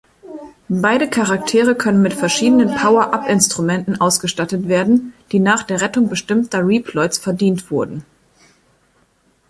Beide Charaktere können mit verschiedenen Power-Up-Instrumenten ausgestattet werden, die nach der Rettung bestimmter Reploids verdient wurden.